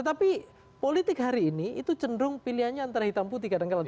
jadi politik hari ini itu cenderung pilihannya antara hitam putih kadang kadang